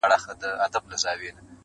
تېره جنازه سوله اوس ورا ته مخامخ يمه.